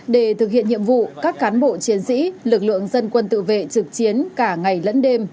để thực hiện nhiệm vụ các cán bộ chiến sĩ lực lượng dân quân tự vệ trực chiến cả ngày lẫn đêm